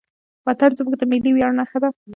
وطن زموږ د ملي ویاړ نښه ده.